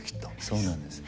そうなんです。